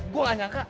gue nganjang kak